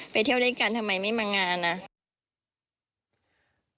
เที่ยวด้วยกันทำไมไม่มางานอ่ะ